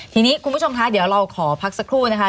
ทีนี้คุณผู้ชมคะเดี๋ยวเราขอพักสักครู่นะคะ